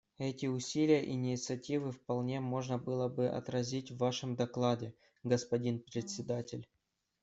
Эти усилия и инициативы вполне можно было бы отразить в Вашем докладе, господин Председатель.